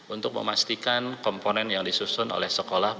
untuk memastikan komponen yang disusun oleh sekolah